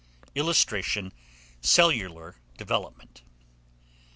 [Illustration: CELLULAR DEVELOPMENT.